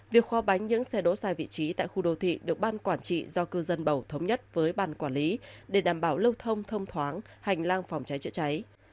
việc kho bánh những xe đỗ sai vị trí tại khu đô thị được ban quản trị do cư dân bầu thống nhất với ban quản lý để đảm bảo lâu thông thoáng hành lang phòng cháy chữa cháy